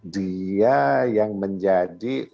dia yang menjadi